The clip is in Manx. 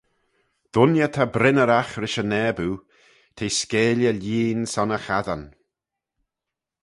Dooinney ta brynneraght rish e naboo, t'eh skeayley lieen son e chassyn.